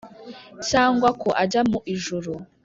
cyangwa ko ajya mu ijuru